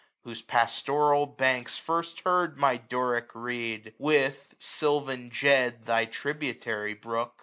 Whose past'ral banks first heard my Doric reed. With, silvan Jed, thy tributary brook)